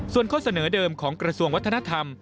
ส่วนข้อเสนอเดิมของกระทรวงวัฒนธรรม